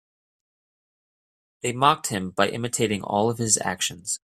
They mocked him by imitating all of his actions.